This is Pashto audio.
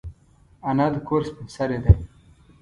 انا د کور سپین سرې ده